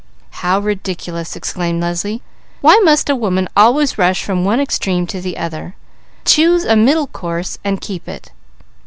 "How ridiculous!" exclaimed Leslie. "Why must a woman always rush from one extreme to the other? Choose a middle course and keep it."